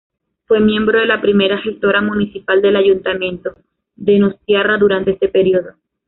Fue miembro de la primera gestora municipal del ayuntamiento donostiarra durante este periodo.